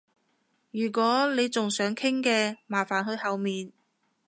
如果你仲想傾嘅，麻煩去後面